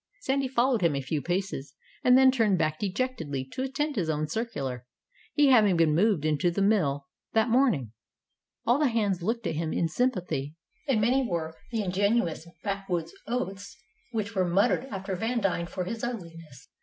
Sandy followed him a few paces, and then turned back dejectedly to attend his own circular he having been moved into the mill that morning. All the hands looked at him in sympathy, and many were the ingenious backwoods oaths which were muttered after Vandine for his ugliness.